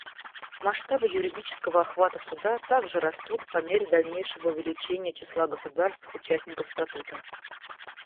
Масштабы юридического охвата Суда также растут по мере дальнейшего увеличения числа государств — участников Статута.